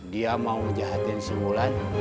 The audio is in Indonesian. dia mau ngejahatin si wulan